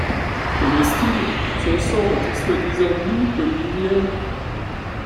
Comestible, son sang était soi-disant doux comme du miel.